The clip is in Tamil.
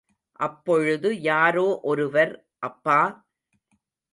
அப்பொழுது யாரோ ஒருவர் அப்பா!